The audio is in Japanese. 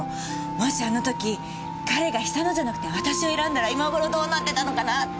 もしあの時彼が久乃じゃなくて私を選んだら今頃どうなってたのかな？って。